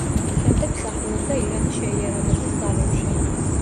შემდეგ მსახურობდა ირანის შეიარაღებულ ძალებში.